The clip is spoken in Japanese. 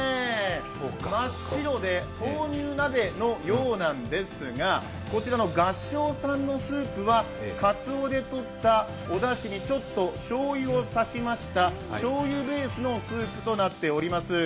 真っ白で豆乳鍋のようなんですがこちらの合掌さんのスープはかつおでとったおだしにちょっとしょうゆを差しましたしょうゆベースのスープとなっています。